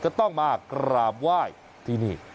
ก็ต้องมากราบไหว้ที่นี่